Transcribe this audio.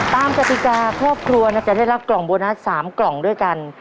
กติกาครอบครัวจะได้รับกล่องโบนัส๓กล่องด้วยกัน